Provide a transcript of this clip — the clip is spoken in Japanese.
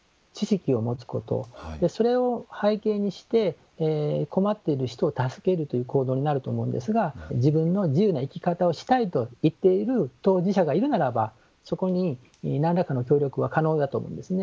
それを背景にして困ってる人を助けるという行動になると思うんですが自分の自由な生き方をしたいと言っている当事者がいるならばそこに何らかの協力は可能だと思うんですね。